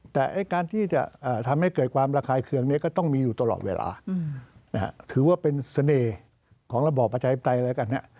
แต่การที่จะทำให้เกิดความระคายเคืองก็ต้องมีอยู่ตลอดเวลาถือว่าเป็นเสน่ห์ของระบอบประชาธิปไตยแล้วกัน